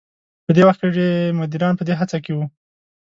په دې وخت کې مديران په دې هڅه کې وو.